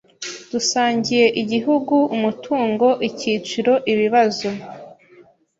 dusangiye igihugu umutungo ikiciro ibibazo